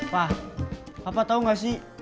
pak bapak tau gak sih